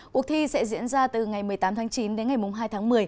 cuộc thi sẽ diễn ra từ ngày một mươi tám tháng chín đến ngày hai tháng một mươi